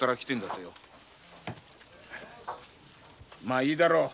まぁいいだろう。